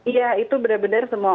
iya itu benar benar semua